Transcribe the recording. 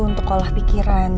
untuk olah pikiran